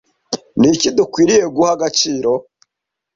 Niki dukwiriye guha agaciro